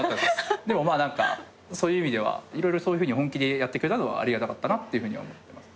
でも何かそういう意味では色々そういうふうに本気でやってくれたのはありがたかったなって思ってます。